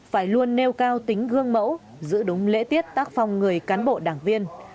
phải luôn nêu cao tính gương mẫu giữ đúng lễ tiết tác phong người cán bộ đảng viên